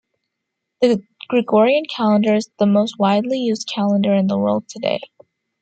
The Gregorian calendar is the most widely used calendar in the world today.